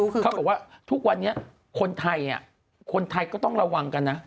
เขาบอกว่าทุกวันนี้คนไทยคนไทยก็ต้องระวังกันนะ